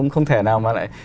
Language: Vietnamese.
không thể nào mà lại